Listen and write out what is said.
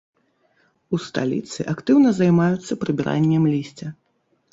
У сталіцы актыўна займаюцца прыбіраннем лісця.